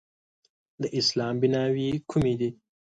د اسلام بیناوې کومې دي؟